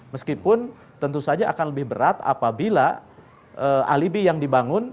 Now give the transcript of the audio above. meskipun tentu saja akan lebih berat apabila alibi yang dibangun